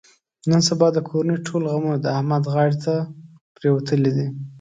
نن سبا د کورنۍ ټول غمونه د احمد غاړې ته پرېوتلي دي.